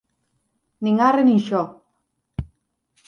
Nin arre nin xó